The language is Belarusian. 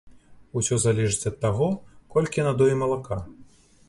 Усё залежыць ад таго, колькі надоі малака.